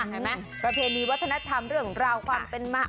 เห็นไหมประเพรย์นี้วัฒนธรรมเรื่องราวความเป็นมาก